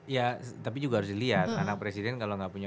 ya tapi juga harus dilihat anak presiden kalau nggak punya